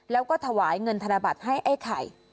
แล้วก็ถวายเงินธนบัตรให้ไอ้ไข่